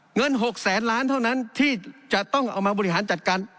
เงิน๖แสนล้านเท่านั้นที่จะต้องเอามาบริหารจัดการ